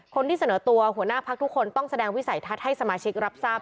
คนที่เสนอตัวหัวหน้าพักทุกคนต้องแสดงวิสัยทัศน์ให้สมาชิกรับทราบ